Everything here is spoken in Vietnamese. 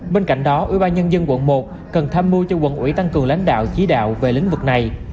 bên cạnh đó ủy ban nhân dân quận một cần tham mưu cho quận ủy tăng cường lãnh đạo chí đạo về lĩnh vực này